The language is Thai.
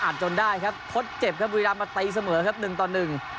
จนได้ครับทดเจ็บครับบุรีรำมาตีเสมอครับหนึ่งต่อหนึ่ง